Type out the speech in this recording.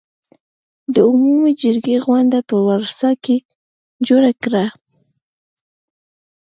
د عمومي جرګې غونډه په ورسا کې جوړه کړه.